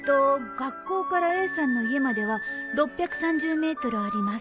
「学校からＡさんの家までは６３０ｍあります。